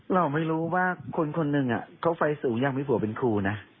เราไม่รู้ว่าคนคนหนึ่งอ่ะเขาฟัยสูงยังมีผัวเป็นคู่นะ